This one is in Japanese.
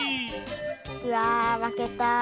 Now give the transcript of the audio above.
うわまけた。